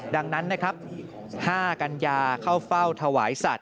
ดังนั้นนะครับ๕กัญญาเข้าเฝ้าถวายสัตว